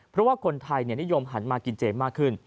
เพราะว่าคนไทยนิยมหันมากินเจมากขึ้น